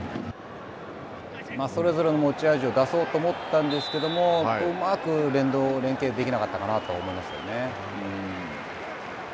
それぞれの持ち味を出そうと思ったんですけれども、うまく連動、連係できなかったかなと思いますね。